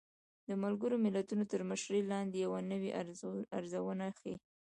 د ملګرو ملتونو تر مشرۍ لاندې يوه نوې ارزونه ښيي